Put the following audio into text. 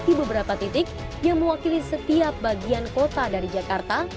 di beberapa titik yang mewakili setiap bagian kota dari jakarta